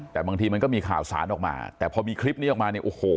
แต่บางทีมันก็มีข่าวสารออกมาแต่พอมีคลิปนี้ออกมา